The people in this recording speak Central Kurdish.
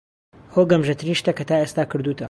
ئەوە گەمژەترین شتە کە تا ئێستا کردووتە.